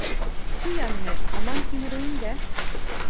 Ҡуян ни. һаман кимереүендә.